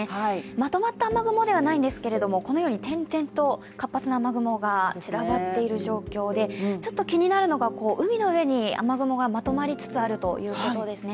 まとまった雨雲ではないんですけど点々と活発な雨雲が散らばってる状況で気になるのが雨雲がまとまりつつあるということですね。